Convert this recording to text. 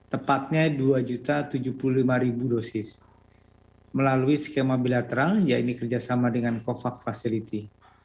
tepatnya dua tujuh puluh lima dosis melalui skema bilateral yaitu kerjasama dengan covax facility